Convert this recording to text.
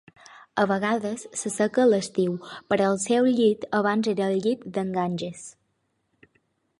A vegades s'asseca a l'estiu però el seu llit era abans el llit del Ganges.